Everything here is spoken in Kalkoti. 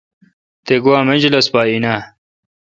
تے گوا منجلس پا این آں؟